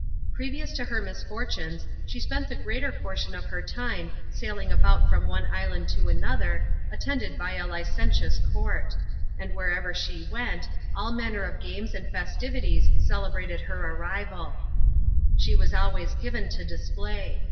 Previous to her misfortunes, she spent the greater portion of her time sailing about from one island to another, attended by a licentious court; and wherever she went, all manner of games and festivities celebrated her arrivaL She was always given to display.